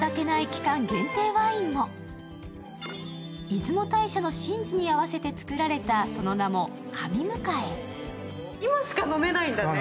出雲大社の神事に合わせて作られたその名も神迎え。